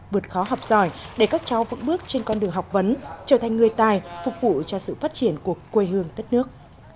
vượt khó học giỏi để các cháu vững bước trên con đường học vấn trở thành người tài phục vụ cho sự phát triển của quê hương đất nước